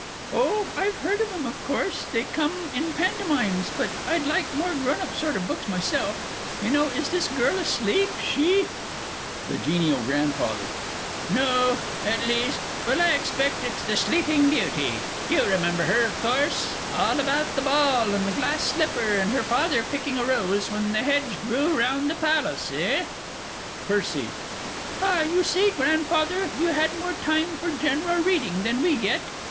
Oh, I've heard of them, of course they come in Pantomimes but I like more grown up sort of books myself, you know. Is this girl asleep She? [Illustration: "THAT'S PLAY ACTIN', THAT IS AND I DON'T 'OLD WITH IT NOHOW!"] THE G. G. No at least well, I expect it's The Sleeping Beauty. You remember her, of course all about the ball, and the glass slipper, and her father picking a rose when the hedge grew round the palace, eh? PERCY. Ah, you see, Grandfather, you had more time for general reading than we get.